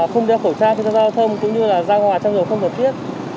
không đeo khẩu trang trên trang giao thông cũng như là giao hòa trong rừng không thực thiết